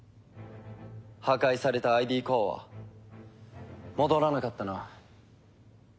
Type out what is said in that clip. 破壊されたＩＤコアは戻らなかったな。